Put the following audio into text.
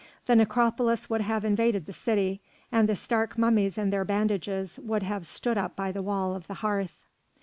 The necropolis would have invaded the city, and the stark mummies in their bandages would have stood up by the wall of the hearth.